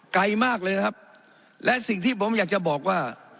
ไกลมากเลยนะครับและสิ่งที่ผมอยากจะบอกว่า